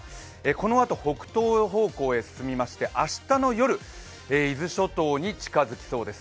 このあと北東方向へ進みまして、明日の夜、伊豆諸島に近づきそうです。